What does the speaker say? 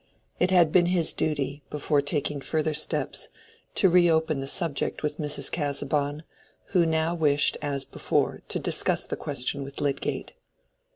It had been his duty, before taking further steps, to reopen the subject with Mrs. Casaubon, who now wished, as before, to discuss the question with Lydgate.